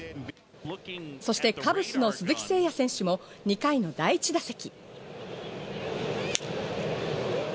そしてカブスの鈴木誠也選手も２回の第１打席。